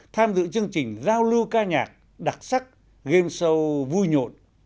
tham dự chương trình giao lưu ca nhạc đặc sắc game show vui nhộn